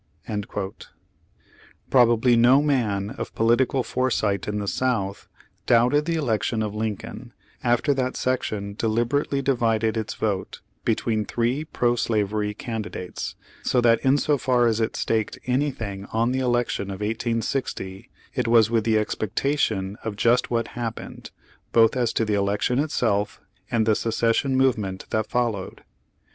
^ Probably no man of political foresight in the South doubted the election of Lincoln, after that section deliberately divided its vote between three pro slavery candidates, so that insofar as it ''staked" anything on the election of 1860, it was with the expectation of just what happened, both as to the election itself, and the secession move ment that followed.